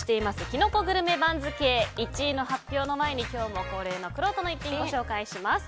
キノコグルメ番付１位の発表の前に今日も恒例のくろうとの逸品ご紹介します。